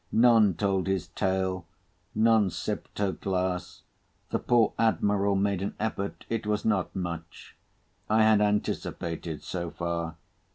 None told his tale. None sipt her glass. The poor Admiral made an effort—it was not much. I had anticipated so far.